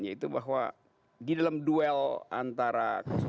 yaitu bahwa di dalam duel antara